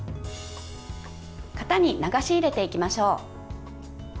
型に流し入れていきましょう。